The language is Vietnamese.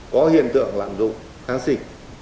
có hiện tượng lạng dụng kháng sinh